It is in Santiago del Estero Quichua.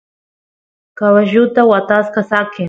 caballuta watasqa saqen